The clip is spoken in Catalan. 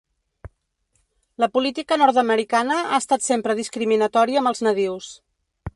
La política nord-americana ha estat sempre discriminatòria amb els nadius.